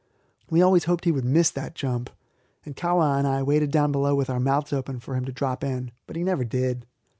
We always hoped he would miss that jump, and Kahwa and I waited down below with our mouths open for him to drop in, but he never did.